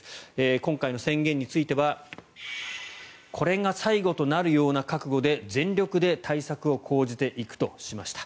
今回の宣言についてはこれが最後となるような覚悟で全力で対策を講じていくとしました。